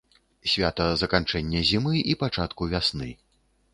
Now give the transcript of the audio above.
Свята заканчэння зімы і пачатку вясны.